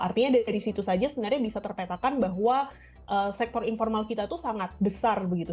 artinya dari situ saja sebenarnya bisa terpetakan bahwa sektor informal kita itu sangat besar begitu